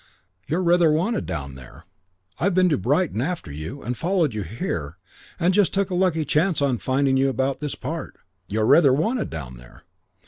You're rather wanted down there. I've been to Brighton after you and followed here and just took a lucky chance on finding you about this part. You're rather wanted down there.